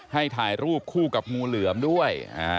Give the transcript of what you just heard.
ถ่ายรูปคู่กับงูเหลือมด้วย